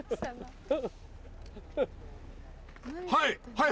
はい！